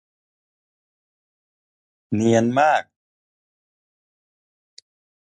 เนียนมาก